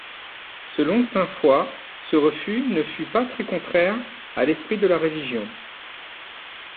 Selon Saint-Foix ce refus ne fut pas très contraire à l'esprit de la Religion.